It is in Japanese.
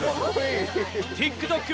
ＴｉｋＴｏｋ